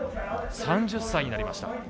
３０歳になりました。